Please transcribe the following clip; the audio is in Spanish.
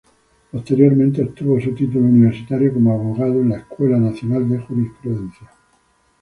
Posteriormente obtuvo su título universitario como abogado en la Escuela Nacional de Jurisprudencia.